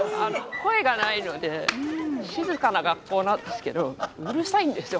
声がないので静かな学校なんですけどうるさいんですよ